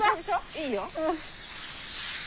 いいよ。